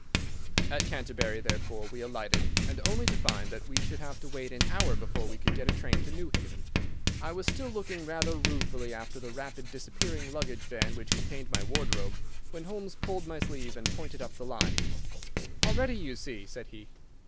At Canterbury, therefore, we alighted, only to find that we should have to wait an hour before we could get a train to Newhaven. I was still looking rather ruefully after the rapidly disappearing luggage van which contained my wardrobe, when Holmes pulled my sleeve and pointed up the line. "Already, you see," said he.